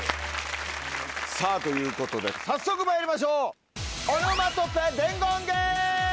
さぁということで早速まいりましょう。